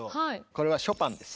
これはショパンです。